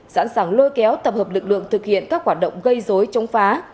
sẵn sàng lôi kéo tập hợp lực lượng thực hiện các hoạt động gây dối chống phá